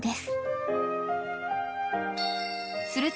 ［すると］